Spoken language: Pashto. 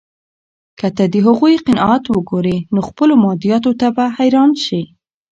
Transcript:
که ته د هغوی قناعت وګورې، نو خپلو مادیاتو ته به حیران شې.